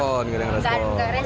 gak ada yang respon